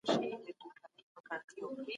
تاسو د هغوی په زړه خبر نه یاست.